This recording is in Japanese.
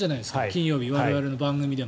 金曜日、我々の番組で。